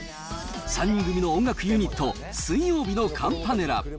３人組の音楽ユニット、水曜日のカンパネラ。